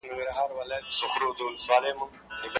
ړوند سړی له ږیري سره بې ډاره اتڼ کوي.